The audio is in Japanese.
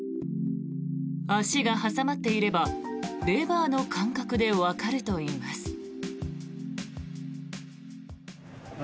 足が挟まっていればレバーの感覚でわかるといいます。